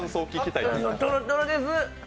とろっとろです。